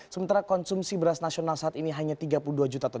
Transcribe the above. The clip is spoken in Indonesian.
sementara konsumsi beras nasional saat ini hanya tiga puluh dua juta ton